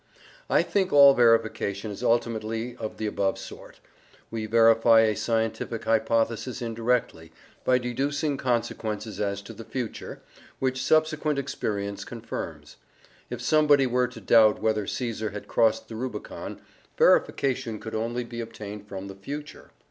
I think all verification is ultimately of the above sort. We verify a scientific hypothesis indirectly, by deducing consequences as to the future, which subsequent experience confirms. If somebody were to doubt whether Caesar had crossed the Rubicon, verification could only be obtained from the future.